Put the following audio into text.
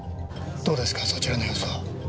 どうですかそちらの様子は。